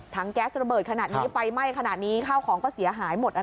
แก๊สระเบิดขนาดนี้ไฟไหม้ขนาดนี้ข้าวของก็เสียหายหมด